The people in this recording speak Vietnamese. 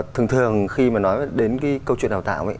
thường thường khi mà nói đến cái câu chuyện đào tạo ấy